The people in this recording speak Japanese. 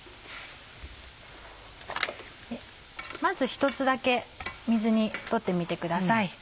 まず１つだけ水に取ってみてください。